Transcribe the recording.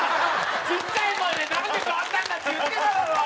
ちっちゃい声で「なんで代わったんだ？」って言ってただろ！